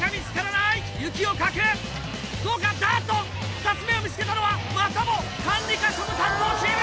２つ目を見つけたのはまたも管理課庶務担当チーム！